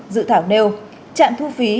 dự thảo nêu trạng thu phí